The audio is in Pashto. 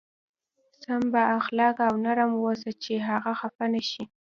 سم با اخلاقه او نرم اوسه چې هغه خفه نه شي.